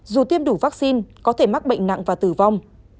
dù tiêm đủ vaccine có thể mắc bệnh nặng và tử vong